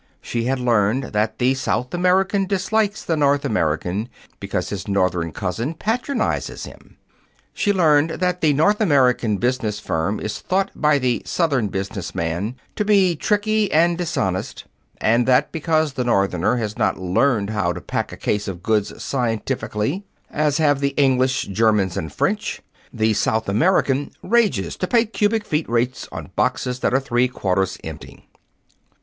She had learned that the South American dislikes the North American because his Northern cousin patronizes him. She learned that the North American business firm is thought by the Southern business man to be tricky and dishonest, and that, because the Northerner has not learned how to pack a case of goods scientifically, as have the English, Germans, and French, the South American rages to pay cubic feet rates on boxes that are three quarters empty.